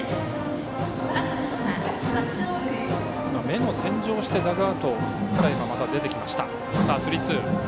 目の洗浄をしてダグアウトから出てきました。